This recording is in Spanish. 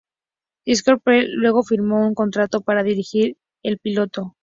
Scott Speer luego firmó un contrato para dirigir el piloto.